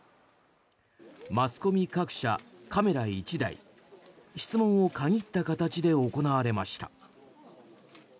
マスコミ各社カメラ１台質問を限った形で行われました。